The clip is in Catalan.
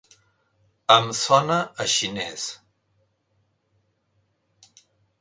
Em sona a xinès.